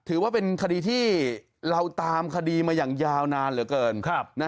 ถือว่าเป็นคดีที่เราตามคดีมาอย่างยาวนานเหลือเกิน